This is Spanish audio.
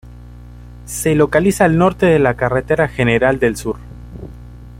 Se localiza al norte de la Carretera General del Sur.